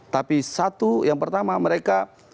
tapi satu yang pertama mereka